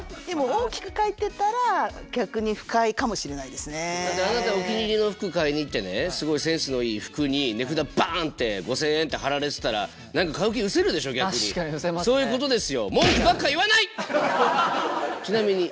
でもだってあなたお気に入りの服買いに行ってねすごいセンスのいい服に値札バンって５，０００円って貼られてたら何かそういうことですよ。